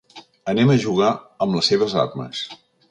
Anem a jugar amb les seves armes.